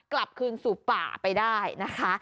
กลับคืนสู่ป่าไปได้นะคะ